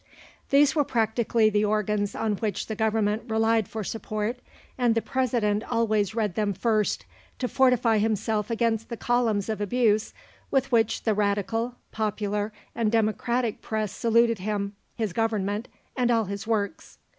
These were practically the organs on which the Government relied for support, and the President always read them first to fortify himself against the columns of abuse with which the Radical, Popular, and Democratic Press saluted him, his Government, and all his works.